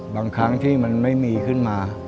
บางครั้งที่มันไม่มีขึ้นมา